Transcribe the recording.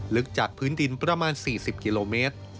ลึกจากพื้นดินประมาณ๔๐กิโลเมตร